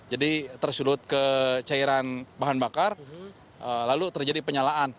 jadi tersulut ke cairan bahan bakar lalu terjadi penyalaan